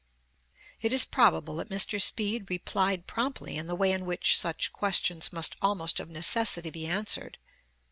It is probable that Mr. Speed replied promptly in the way in which such questions must almost of necessity be answered.